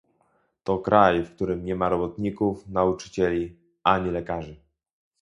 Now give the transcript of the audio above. To kraj, w którym nie ma robotników, nauczycieli, ani lekarzy